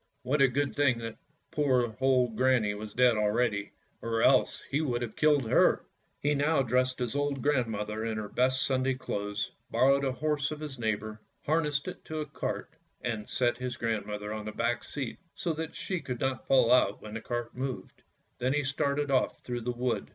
What a good thing that poor old granny was dead already, or else he would have killed her." He now dressed his old grandmother in her best Sunday clothes, borrowed a horse of his neighbour, harnessed it to a cart, and set his grandmother on the back seat, so that she could not fall out when the cart moved. Then he started off through the wood.